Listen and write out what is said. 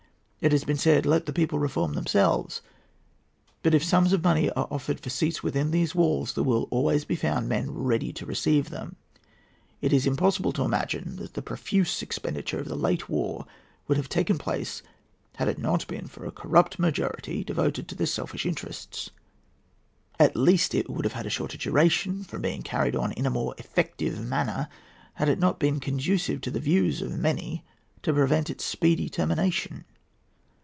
It has been said, 'Let the people reform themselves;' but if sums of money are offered for seats within these walls, there will always be found men ready to receive them. It is impossible to imagine that the profuse expenditure of the late war would have taken place, had it not been for a corrupt majority devoted to their selfish interests. At least it would have had a shorter duration, from being carried on in a more effective manner, had it not been conducive to the views of many to prevent its speedy termination.